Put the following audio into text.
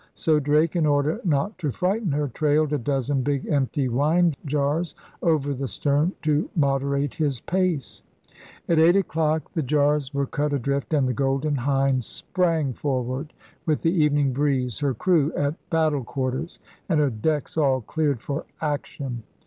So Drake, in order not to frighten her, trailed a dozen big empty wine jars over the stern to moderate his pace. At eight o'clock the jars were cut adrift and the Golden Hind sprang forward with the evening breeze, her crew at battle quarters and her decks all cleared for action.